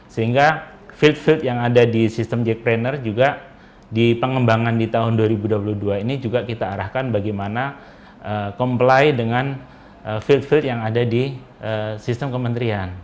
sehingga field field yang ada di sistem jackpreneur juga di pengembangan di tahun dua ribu dua puluh dua ini juga kita arahkan bagaimana comply dengan field field yang ada di sistem kementerian